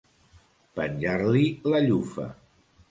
Penjar-li la llufa.